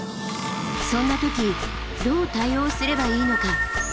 そんな時どう対応すればいいのか。